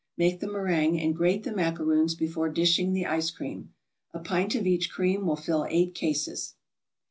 Make the meringue and grate the macaroons before dishing the ice cream. A pint of each cream will fill eight cases.